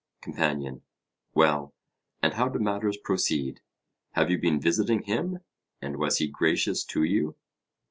COMPANION: Well, and how do matters proceed? Have you been visiting him, and was he gracious to you?